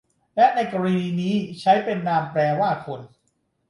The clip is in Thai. และในกรณีนี้ใช้เป็นนามแปลว่าคน